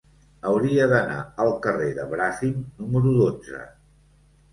Hauria d'anar al carrer de Bràfim número dotze.